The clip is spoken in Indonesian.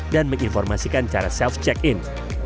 dan menginformasikan cara self check in